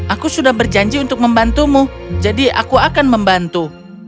aku sudah berjanji untuk membantumu jadi aku akan membantu